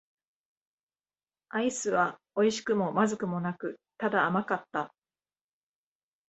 アイスは美味しくも不味くもなく、ただ甘かった。